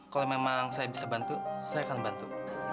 kalau memang saya bisa bantu saya akan bantu